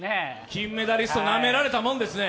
金メダリスト、なめられたもんですね。